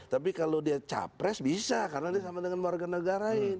tapi kalau dia capres bisa karena dia sama dengan warga negara lain